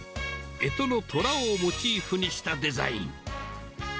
えとのとらをモチーフにしたデザイン。